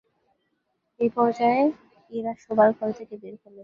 এই পর্যায়ে ইরা শোবার ঘর থেকে বের হলেন।